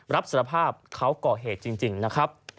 รับสารภาพเขาก่อเหตุจริงนะครับ